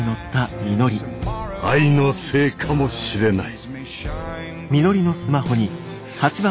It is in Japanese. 愛のせいかもしれない。